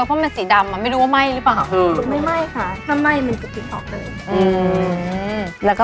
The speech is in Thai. เอานิ่มนะคะ